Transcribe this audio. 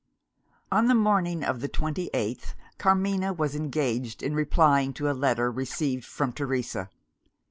On the morning of the twenty eighth, Carmina was engaged in replying to a letter received from Teresa.